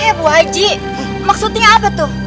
eh bu aji maksudnya apa tuh